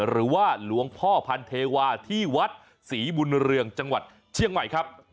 หรือว่าหลวงพ่อพันเทวาที่วัดศรีบุญเรืองจังหวัดเชียงใหม่ครับ